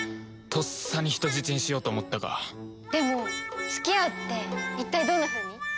とっさに人質にしようと思ったがでも付き合うって一体どんなふうに？